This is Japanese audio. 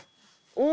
お！